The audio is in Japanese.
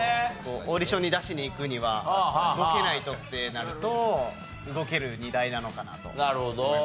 オーディションに出しに行くには動けないとってなると動ける荷台なのかなと思いました。